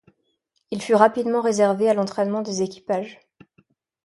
Il fut rapidement réservé à l'entraînement des équipages.